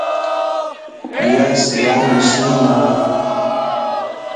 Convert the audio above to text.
ايا سلائي مشين ائي